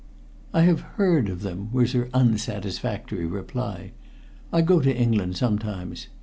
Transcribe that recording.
"I have heard of them," was her unsatisfactory reply. "I go to England sometimes.